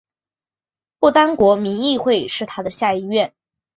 不丹国民议会是它的下议院。